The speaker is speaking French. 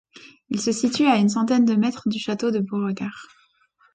Il se situe à une centaine de mètres du château de Beauregard.